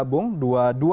bung dua dua ya